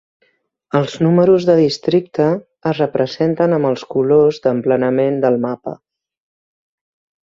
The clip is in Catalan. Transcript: Els números de districte es representen amb els colors d'emplenament del mapa.